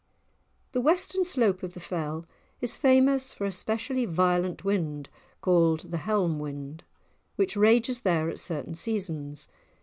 The western slope of the Fell is famous for a specially violent wind called the "Helm wind," which rages there at certain seasons.